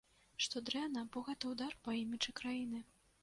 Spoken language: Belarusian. Што дрэнна, бо гэта ўдар па іміджы краіны.